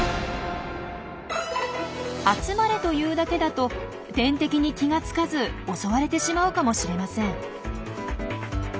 「集まれ」と言うだけだと天敵に気がつかず襲われてしまうかもしれません。